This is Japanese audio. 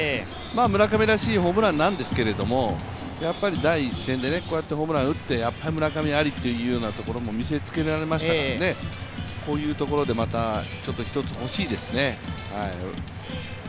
村上らしいホームランなんですけど、第１戦でこうやってホームランを打ってやっぱり村上ありっていうところ見せつけられましたからね、こういうところでまた一つほしいですね。